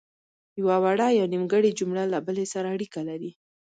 یوه وړه یا نیمګړې جمله له بلې سره اړیکې لري.